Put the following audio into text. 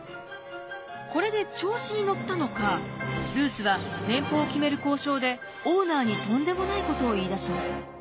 これで調子に乗ったのかルースは年俸を決める交渉でオーナーにとんでもないことを言いだします。